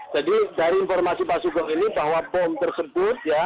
jadi dari informasi pak sugeng ini bahwa bom tersebut ya